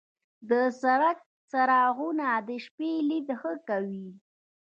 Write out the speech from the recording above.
د سړک څراغونه د شپې لید ښه کوي.